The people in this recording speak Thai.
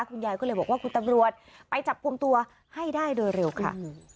คุณยายก็เลยบอกว่าคุณตำรวจไปจับกลุ่มตัวให้ได้โดยเร็วค่ะ